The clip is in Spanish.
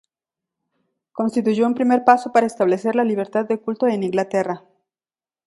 Constituyó un primer paso para establecer libertad de culto en Inglaterra.